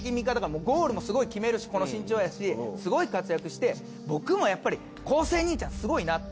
ゴールもすごい決めるしこの身長やしすごい活躍して僕もやっぱり昴生兄ちゃんすごいなって。